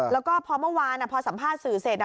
แล้วก็พอเมื่อวานพอสัมภาษณ์สื่อเสร็จ